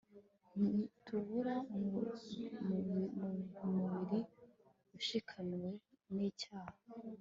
ntibutura mu mubiri ushikamiwe n'icyaha